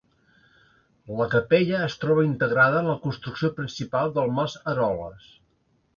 La capella es troba integrada en la construcció principal del Mas Eroles.